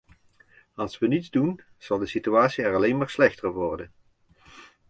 Als we niets doen, zal de situatie er alleen maar slechter op worden.